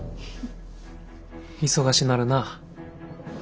忙しなるな。